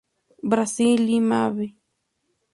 Brasil; Lima; Av.